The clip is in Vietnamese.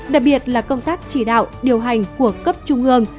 đặc biệt là công tác chỉ đạo điều hành của cấp trung ương